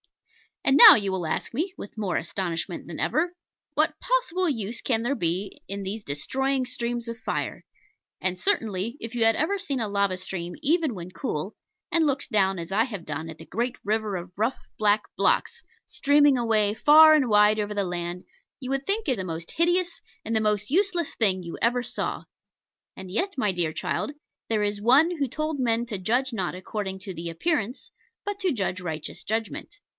And now you will ask me, with more astonishment than ever, what possible use can there be in these destroying streams of fire? And certainly, if you had ever seen a lava stream even when cool, and looked down, as I have done, at the great river of rough black blocks streaming away far and wide over the land, you would think it the most hideous and the most useless thing you ever saw. And yet, my dear child, there is One who told men to judge not according to the appearance, but to judge righteous judgment.